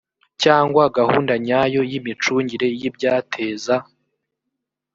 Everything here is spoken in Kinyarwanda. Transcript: cyangwa gahunda nyayo y imicungire y ibyateza